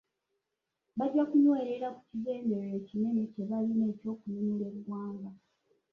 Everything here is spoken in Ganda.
Bajja kunywerera ku kigendererwa ekinene kye balina eky'okununula eggwanga.